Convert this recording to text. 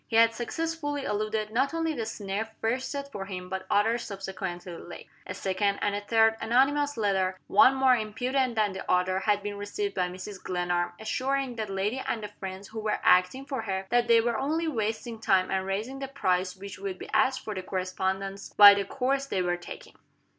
He had successfully eluded not only the snare first set for him, but others subsequently laid. A second, and a third, anonymous letter, one more impudent than the other had been received by Mrs. Glenarm, assuring that lady and the friends who were acting for her that they were only wasting time and raising the price which would be asked for the correspondence, by the course they were taking.